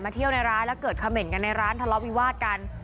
เที่ยวในร้านแล้วเกิดเขม่นกันในร้านทะเลาะวิวาดกัน